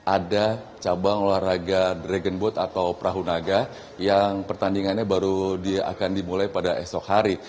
ada cabang olahraga dragon boat atau perahu naga yang pertandingannya baru akan dimulai pada esok hari